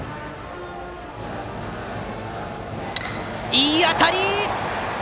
いい当たり！